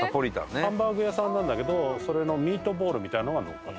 ハンバーグ屋さんなんだけどそれのミートボールみたいのがのっかって。